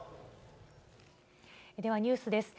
ではニュースです。